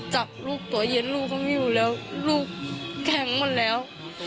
จับลูกตัวเย็นลูกก็ไม่อยู่แล้วลูกแข็งหมดแล้ว